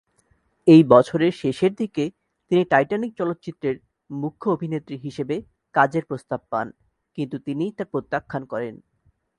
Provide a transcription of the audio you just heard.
এই বছরের শেষের দিকে তিনি "টাইটানিক" চলচ্চিত্রের মুখ্য অভিনেত্রী হিসেবে কাজের প্রস্তাব পান, কিন্তু তিনি তা প্রত্যাখ্যান করেন।